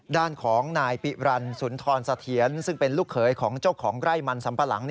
ด้านของนายปิรันสุนทรเสถียรซึ่งเป็นลูกเขยของเจ้าของไร่มันสัมปะหลัง